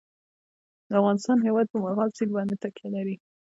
د افغانستان هیواد په مورغاب سیند باندې تکیه لري.